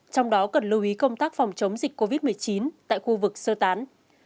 trong đó cần lưu ý công tác phòng chống dịch covid một mươi chín tại khu vực sơ tán